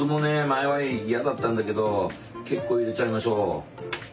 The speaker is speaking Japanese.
前は嫌だったんだけど結構入れちゃいましょう。